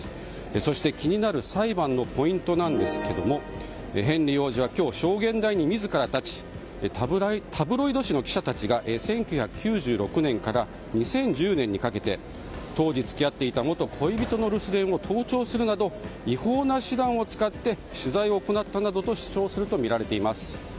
そして、気になる裁判のポイントですがヘンリー王子は今日、証言台に自ら立ちタブロイド紙の記者たちが１９９６年から２０１０年にかけて当時、付き合っていた元恋人の留守電を盗聴するなど違法な手段を使って取材を行ったなどと主張するとみられています。